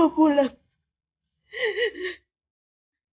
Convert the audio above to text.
zadar jangan lupa saya